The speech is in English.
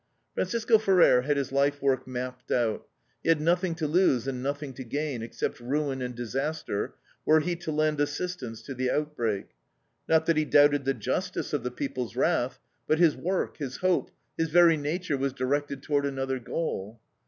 Francisco Ferrer had his life work mapped out; he had everything to lose and nothing to gain, except ruin and disaster, were he to lend assistance to the outbreak. Not that he doubted the justice of the people's wrath; but his work, his hope, his very nature was directed toward another goal.